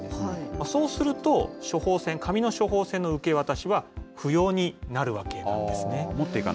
そうすると、処方箋、紙の処方箋の受け渡しは不要になるわけなんですね。